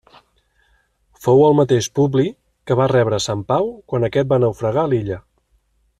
Fou el mateix Publi que va rebre Sant Pau quan aquest va naufragar a l'illa.